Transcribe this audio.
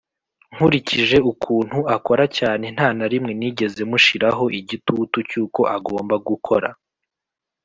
nkurikije ukuntu akora cyane ntanarimwe nigeze mushiraho igitutu cyuko agomba gukora